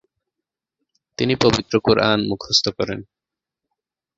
তিনি পবিত্র কুরআন মুখস্থ করেন।